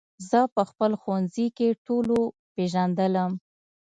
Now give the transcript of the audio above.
زه په خپل ښوونځي کې ټولو پېژندلم